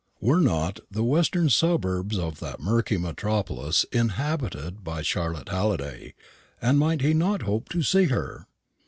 Were not the western suburbs of that murky metropolis inhabited by Charlotte Halliday, and might he not hope to see her?